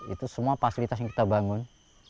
itu semua fasilitas yang kita bangun